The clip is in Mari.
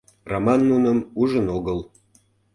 Раман нуным ужын огыл.